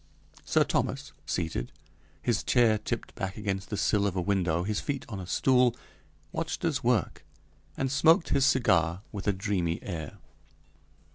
Sir Thomas, seated, his chair tipped back against the sill of a window, his feet on a stool, watched us work, and smoked his cigar with a dreamy air.